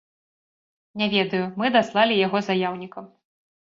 Не ведаю, мы даслалі яго заяўнікам.